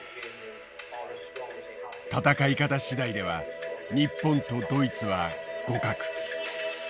戦い方次第では日本とドイツは互角。